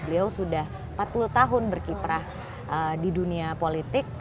beliau sudah empat puluh tahun berkiprah di dunia politik